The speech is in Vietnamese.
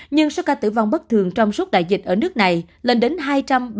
nhưng số ca tử vong bất thường trong suốt đại dịch ở nước này lên đến hai trăm bảy mươi năm ca